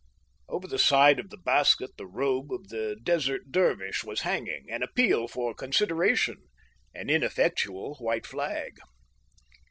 Over the side of the basket the robe of the Desert Dervish was hanging, an appeal for consideration, an ineffectual white flag.